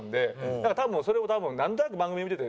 だからそれを多分なんとなく番組見てて。